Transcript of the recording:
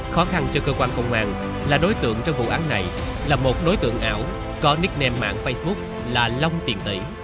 khó khăn cho cơ quan công an là đối tượng trong vụ án này là một đối tượng ảo có nicknam mạng facebook là long tiền tỷ